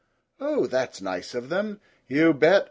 "Oh, that is nice of them!" "You bet.